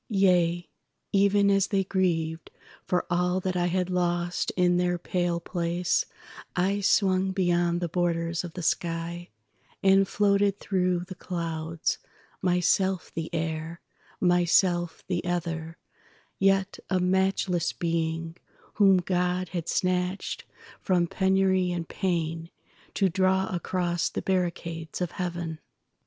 … Yea, even as they grievedFor all that I had lost in their pale place,I swung beyond the borders of the sky, And floated through the clouds, myself the air, Myself the ether, yet a matchless beingWhom God had snatched from penury and painTo draw across the barricades of heaven.